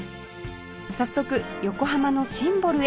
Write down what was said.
早速横浜のシンボルへ